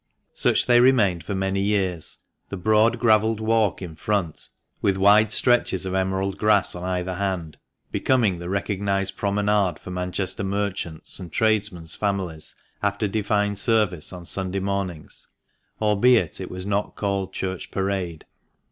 Such they remained for many years, the broad gravelled walk in front, with wide 468 FINAL APPENDIX. stretches of emerald grass on either hand, becoming the recognised promenade for Manchester merchants' and tradesmen's families after Divine service on Sunday mornings, albeit it was not called "Church Parade."